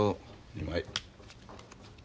２枚。